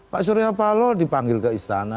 pak surya paloh dipanggil ke istana